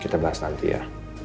kita bahas nanti ya